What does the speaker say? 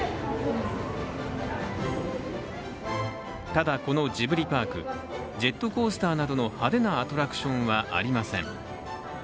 ただ、このジブリパーク、ジェットコースターなどの派手なアトラクションはありません。